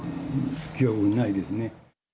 記憶にないですね。